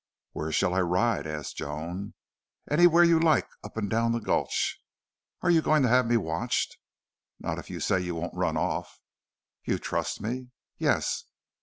"Where shall I ride?" asked Joan. "Anywhere you like up and down the gulch." "Are you going to have me watched?" "Not if you say you won't run off." "You trust me?" "Yes."